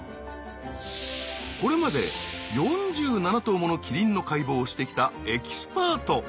これまで４７頭ものキリンの解剖をしてきたエキスパート。